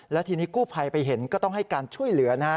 และทีนี้กู้ภัยไปเห็นก็ต้องให้การช่วยเหลือนะฮะ